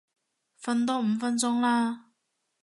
瞓多五分鐘啦